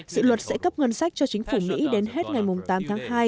dự luật sẽ cấp ngân sách cho chính phủ mỹ đến hết ngày tám tháng hai